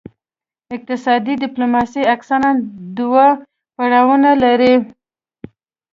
اقتصادي ډیپلوماسي اکثراً دوه پړاوونه لري